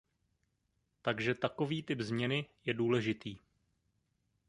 Takže takový typ změny je důležitý.